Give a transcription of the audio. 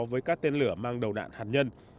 với các tên lửa mang đầu đạn hạt nhân